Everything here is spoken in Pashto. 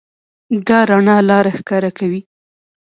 دا رڼا لاره ښکاره کوي.